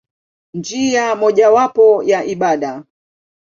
Njia mojawapo ya ibada.